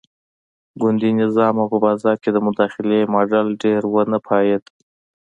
ګوندي نظام او په بازار کې د مداخلې ماډل ډېر ونه پایېد.